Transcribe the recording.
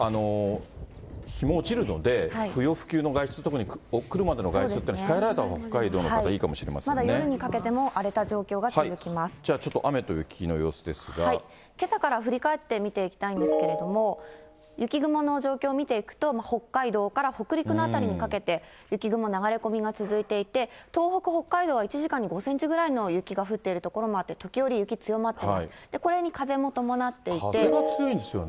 日も落ちるので、不要不急の外出、特にお車での外出は控えられたほうが、北海道の方、まだ夜にかけても荒れた状況じゃあちょっと、雨と雪の様けさから振り返って見ていきたいんですけれども、雪雲の状況見ていくと、北海道から北陸の辺りにかけて、雪雲流れ込みが続いていて、東北、北海道は１時間に５センチぐらいの雪が降っている所もあって、時折、雪強まってい風が強いんですよね。